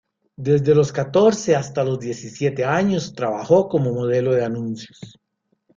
Desde los catorce hasta los diecisiete años trabajó como modelo de anuncios.